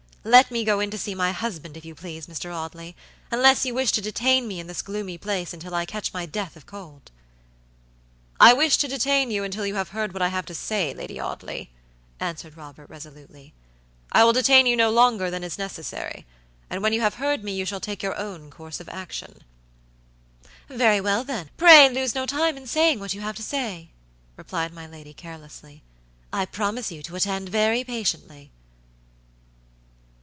Let me go in to see my husband, if you please, Mr. Audley, unless you wish to detain me in this gloomy place until I catch my death of cold." "I wish to detain you until you have heard what I have to say, Lady Audley," answered Robert, resolutely. "I will detain you no longer than is necessary, and when you have heard me you shall take your own course of action." "Very well, then; pray lose no time in saying what you have to say," replied my lady, carelessly. "I promise you to attend very patiently."